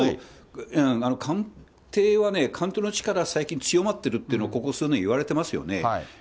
官邸は、官邸の力、最近強まっているというのが、ここ数年、言われてますよね。